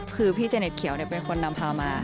คือพี่เจเน็ตเขียวเป็นคนนำพามา